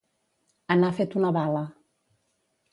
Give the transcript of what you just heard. Anar fet una bala.